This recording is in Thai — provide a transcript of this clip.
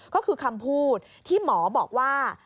ก็คือคำพูดที่หมอบอกว่า